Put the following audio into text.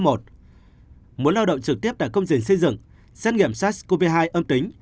muốn lao động trực tiếp tại công trình xây dựng xét nghiệm sars cov hai âm tính